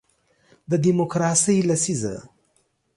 د دیموکراسۍ لسیزه